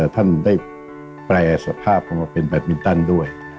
ท่านได้แปลสภาพมาเป็นเบมตั้นด้วย